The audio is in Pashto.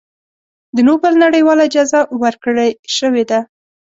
د نوبل نړیواله جایزه ورکړی شوې ده.